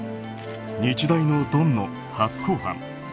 日大のドンの初公判。